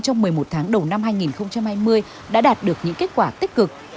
trong một mươi một tháng đầu năm hai nghìn hai mươi đã đạt được những kết quả tích cực